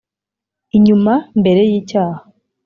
inyuma mbere yicyaha